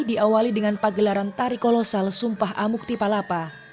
diawali dengan pagelaran tari kolosal sumpah amuk tipalapa